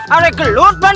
ada yang gelut banget